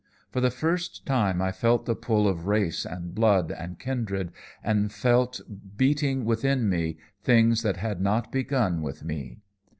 For the first time I felt the pull of race and blood and kindred, and felt beating within me things that had not begun with me.